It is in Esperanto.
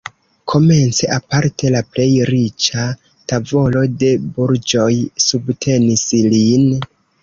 Komence aparte la plej riĉa tavolo de burĝoj subtenis lin.